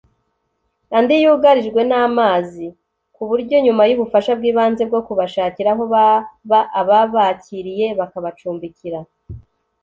andi yugarijwe n’amazi ku buryo nyuma y’ubufasha bw’ibanze bwo kubashakira aho baba ababakiriye bakabacumbikira